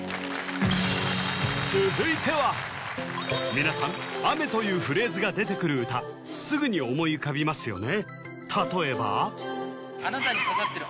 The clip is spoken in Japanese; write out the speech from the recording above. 皆さん雨というフレーズが出てくる歌すぐに思い浮かびますよね